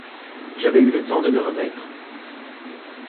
J’avais eu le temps de me remettre.